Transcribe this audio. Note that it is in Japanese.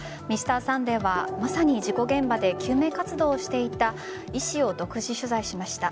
「Ｍｒ．サンデー」はまさに事故現場で救命活動をしていた医師を独自取材しました。